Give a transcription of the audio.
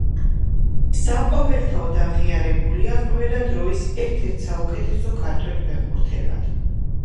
საყოველთაოდ აღიარებულია ყველა დროის ერთ-ერთ საუკეთესო ქართველ ფეხბურთელად.